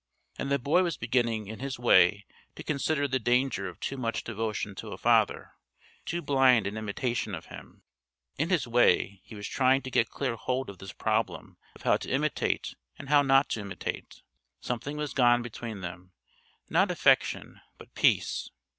And the boy was beginning in his way to consider the danger of too much devotion to a father, too blind an imitation of him. In his way he was trying to get clear hold of this problem of how to imitate and how not to imitate. Something was gone between them; not affection, but peace.